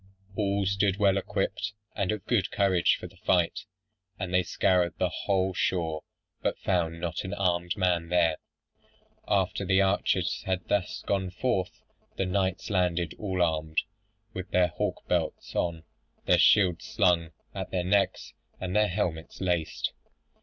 All stood well equipped, and of good courage for the fight; and they scoured the whole shore, but found not an armed man there. After the archers had thus gone forth, the knights landed all armed, with their hauberks on, their shields slung at their necks, and their helmets laced.